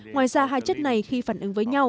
ngoài ra hai chất này khi phản ứng với nhau